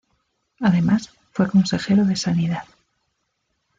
Además, fue Consejero de Sanidad.